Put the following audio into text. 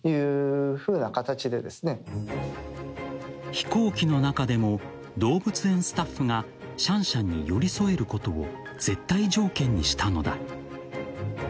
［飛行機の中でも動物園スタッフがシャンシャンに寄り添えることを絶対条件にしたのだ］